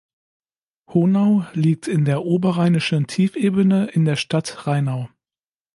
Honau liegt in der Oberrheinischen Tiefebene in der Stadt Rheinau.